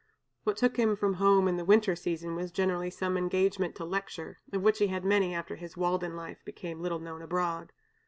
What took him from home in the winter season was generally some engagement to lecture, of which he had many after his Walden life became a little known abroad.